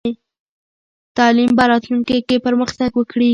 تعلیم به راتلونکې کې پرمختګ وکړي.